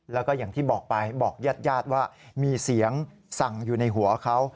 แล้วก็อย่างที่บอกไปบอกญาติญาติว่ามีเสียงสั่งอยู่ในหัวเขา